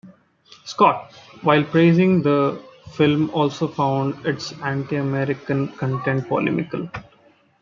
Scott, while praising the film also found its anti-American content polemical.